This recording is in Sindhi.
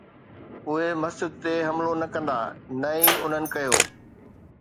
اهي مسجد تي حملو نه ڪندا، نه ئي انهن ڪيو